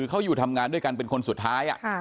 เขาอยู่ทำงานด้วยกันเป็นคนสุดท้าย